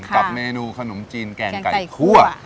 กับเมนูขนมจีนแกงไก่คั่ว